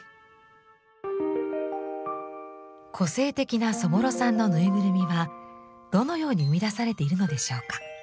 個性的なそぼろさんのぬいぐるみはどのように生み出されているのでしょうか？